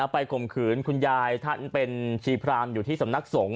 ข่มขืนคุณยายท่านเป็นชีพรามอยู่ที่สำนักสงฆ